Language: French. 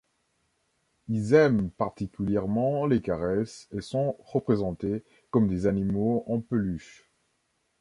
Ils aiment particulièrement les caresses et sont représentés comme des animaux en peluche.